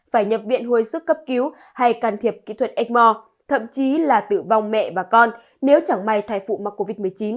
phải nhập viện hồi sức cấp cứu hay can thiệp kỹ thuật ếchmore thậm chí là tử vong mẹ và con nếu chẳng may thai phụ mắc covid một mươi chín